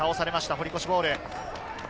堀越ボール。